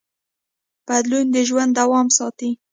بدلون د ژوند دوام ساتي.